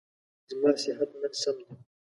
زما صحت نن سم نه دی.